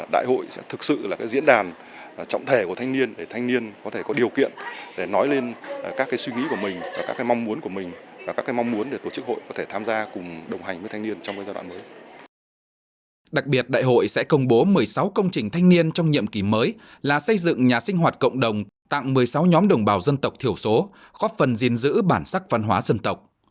đặc biệt đại hội sẽ công bố một mươi sáu công trình thanh niên trong nhiệm kỳ mới là xây dựng nhà sinh hoạt cộng đồng tặng một mươi sáu nhóm đồng bào dân tộc thiểu số góp phần diên giữ bản sắc văn hóa dân tộc